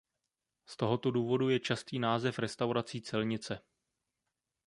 Z tohoto důvodu je častý název restaurací celnice.